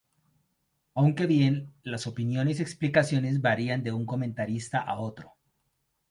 Aunque bien las opiniones y explicaciones varían de un comentarista a otro.